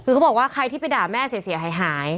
คือเขาบอกว่าใครที่ไปด่าแม่เสียหาย